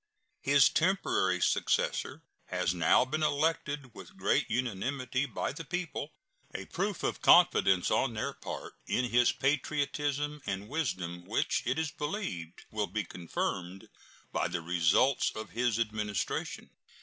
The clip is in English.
His temporary successor has now been elected with great unanimity by the people a proof of confidence on their part in his patriotism and wisdom which it is believed will be confirmed by the results of his administration.